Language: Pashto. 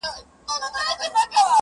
زما پر سونډو یو غزل عاشقانه یې,